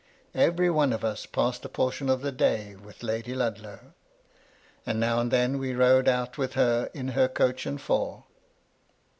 Every one of us passed MY LADY LUDLOW. 43 a portion of the day with Lady Ludlow ; and now and then we rode out with her in her coach and four.